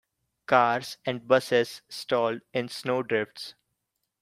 Cars and busses stalled in snow drifts.